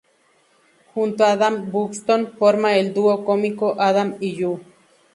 Junto a Adam Buxton forma el duo cómico Adam y Joe.